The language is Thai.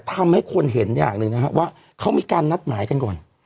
ทำให้คนเห็นอย่างหนึ่งนะฮะว่าเขามีการนัดหมายกันก่อน